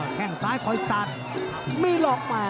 แข่งซ้ายคอยสัตว์ไม่หลอกมา